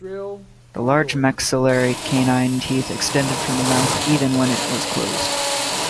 The large maxillary canine teeth extended from the mouth even when it was closed.